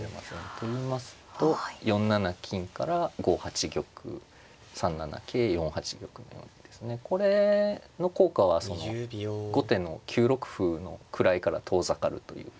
といいますと４七金から５八玉３七桂４八玉のようにですねこれの効果はその後手の９六歩の位から遠ざかるというか。